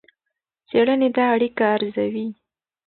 څېړنې دا اړیکه ارزوي.